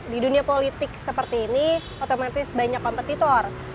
di dunia politik seperti ini otomatis banyak kompetitor